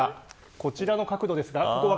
こちらの角度です。